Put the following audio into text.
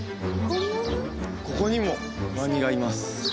ここにもワニがいます